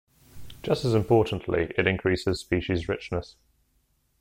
Just as importantly, it increases species richness.